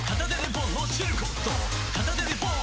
片手でポン！